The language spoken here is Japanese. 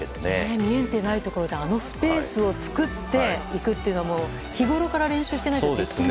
見えてないところでスペースを作っていくっていうのも日ごろから練習してないとできないことですよね。